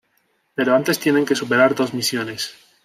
Pero antes tienen que superar dos misiones.